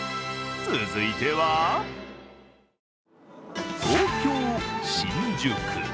続いては東京・新宿。